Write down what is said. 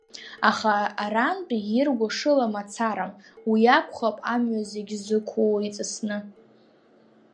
Аха арантәи ирго шыла мацарам, уи акәхап амҩа зегь зықәу иҵысны.